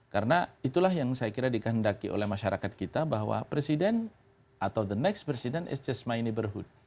karena itulah yang saya kira dikandaki oleh masyarakat kita bahwa presiden atau the next president is just my neighborhood